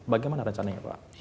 bagaimana rencananya pak